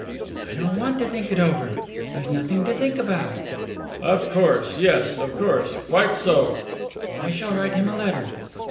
"I don't want to think it over. There's nothing to think about." "Of course, yes, of course. Quite so." "I shall write him a letter."